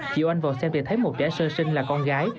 chị oanh vào xem việc thấy một trẻ sơ sinh là con gái